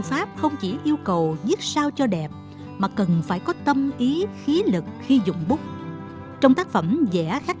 pháp không chỉ yêu cầu giết sao cho đẹp mà cần phải có tâm ý khí lực khi dùng bút trong tác phẩm dẻ khắc